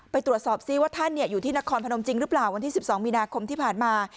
ไปตรวจสอบซิว่าท่านอยู่ที่นครพนมจริงหรือเปล่าวันที่๑๒มีนาคมที่ผ่านมา